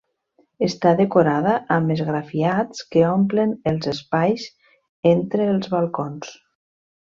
Està decorada amb esgrafiats que omplen els espais entre els balcons.